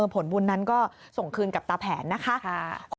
ผลบุญนั้นก็ส่งคืนกับตาแผนนะคะ